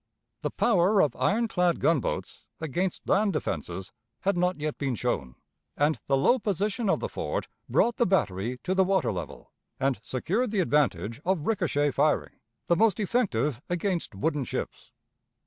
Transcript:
The power of ironclad gunboats against land defenses had not yet been shown, and the low position of the fort brought the battery to the water level, and secured the advantage of ricochet firing, the most effective against wooden ships.